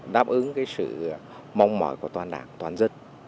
đáp ứng cái sự mong mỏi của toàn đảng toàn dân